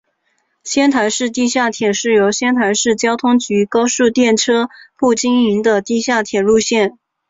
仙台市地下铁是由仙台市交通局高速电车部经营的地下铁路线。